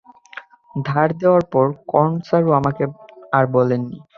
ধার দেওয়ার পর, কর্ণ স্যারও আমাকে আর বলেননি।